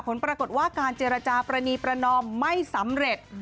ผลปรากฏว่าการเจรจาปรณีประนอมไม่สำเร็จ